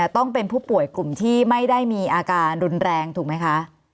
ต้องเป็นผู้ป่วยกลุ่มที่ไม่ได้มีอาการรุนแรงถูกไหมคะ